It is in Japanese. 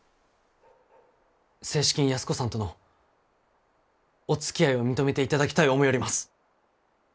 正式に安子さんとのおつきあいを認めていただきたい思ようります。